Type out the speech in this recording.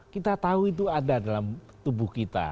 kita tahu itu ada dalam tubuh kita